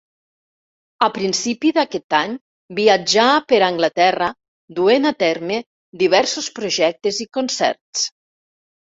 A principis d'aquest any viatjà per Anglaterra duent a terme diversos projectes i concerts.